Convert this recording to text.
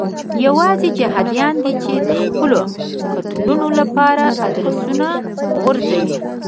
یوازې جهادیان دي چې د خپلو قتلونو لپاره ادرسونه غورځوي.